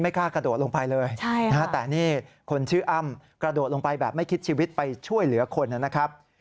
กล้ากระโดดลงไปเลยแต่นี่คนชื่ออ้ำกระโดดลงไปแบบไม่คิดชีวิตไปช่วยเหลือคนนะครับ